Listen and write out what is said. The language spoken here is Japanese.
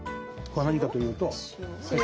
これは何かというと。